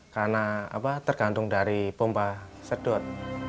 karena tergantung dari pompa sedut